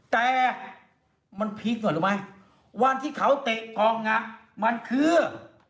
แต่มันพีคหน่อยตัวไหมวันที่เขาเตะกล่องนะมันคือ